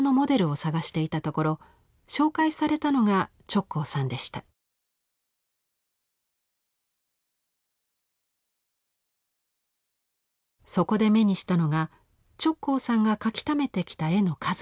そこで目にしたのが直行さんが描きためてきた絵の数々。